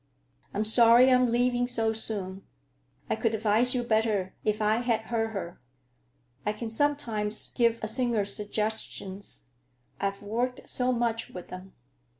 I'm sorry I'm leaving so soon. I could advise you better if I had heard her. I can sometimes give a singer suggestions. I've worked so much with them."